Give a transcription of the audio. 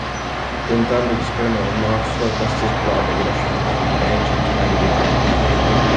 Tentando di spremere il morso, questi esplode, rilasciando su di lei centinaia di ragni.